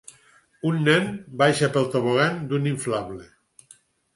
Un nen baixa pel tobogan d'un inflable.